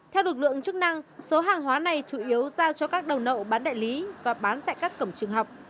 theo lực lượng chức năng số hàng hóa này chủ yếu giao cho các đầu nậu bán đại lý và bán tại các cổng trường học